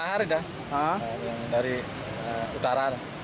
ada dari utara